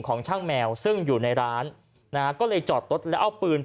ของช่างแมวซึ่งอยู่ในร้านนะฮะก็เลยจอดรถแล้วเอาปืน